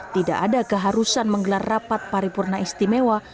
tidak ada keharusan menggelar rapat paripurna istimewa